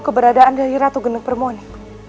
keberadaan dari ratu genep permoni